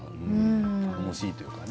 楽しいというかね。